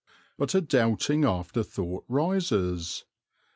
But a doubting afterthought rises.